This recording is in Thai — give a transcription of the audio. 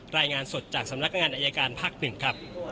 รายงานสดจากสำนักงานอายการภาค๑ครับ